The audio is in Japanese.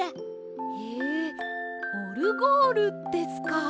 へえオルゴールですか。